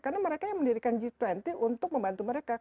karena mereka yang mendirikan g dua puluh untuk membantu mereka